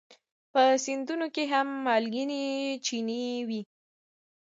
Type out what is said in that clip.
په سیندونو کې هم مالګینې چینې وي.